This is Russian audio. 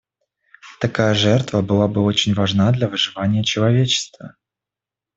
Такая жертва была бы очень важна для выживания человечества.